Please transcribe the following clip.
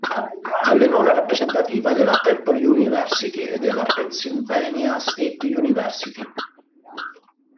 Allenò le rappresentativa della Temple University e della Pennsylvania State University.